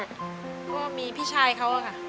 ก็มีพี่ชายเขาอะค่ะ